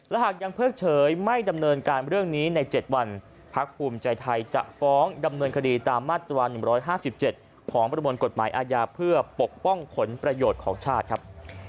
หากยังเพิกเฉยไม่ดำเนินการเรื่องนี้ใน๗วันพักภูมิใจไทยจะฟ้องดำเนินคดีตามมาตรา๑๕๗ของประมวลกฎหมายอาญาเพื่อปกป้องผลประโยชน์ของชาติครับ